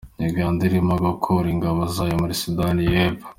Uganda irimo gukura ingabo zayo muri Sudani y’Epfo.